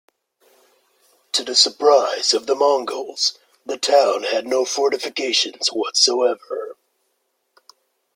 To the surprise of the Mongols, the town had no fortifications whatsoever.